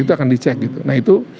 itu akan dicek gitu nah itu